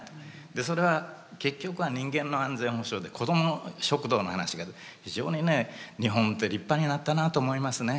でそれは結局は人間の安全保障で子ども食堂の話が出て非常にね日本って立派になったなと思いますね。